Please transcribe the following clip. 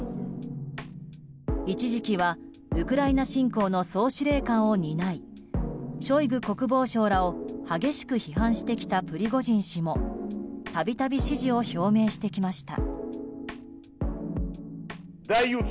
一時期はウクライナ侵攻の総司令官を担いショイグ国防相らを激しく批判してきたプリゴジン氏も度々支持を表明してきました。